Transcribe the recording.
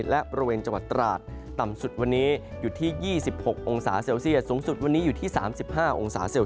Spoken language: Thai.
และประเวนจังหวัดตราชต่ำสุดองศาเซลเซียตสูงสุดอยู่ที่๓๕องศาเซียต